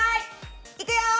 いくよ！